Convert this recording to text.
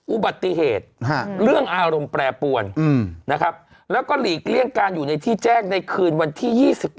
อุบัติเหตุเรื่องอารมณ์แปรปวนนะครับแล้วก็หลีกเลี่ยงการอยู่ในที่แจ้งในคืนวันที่๒๖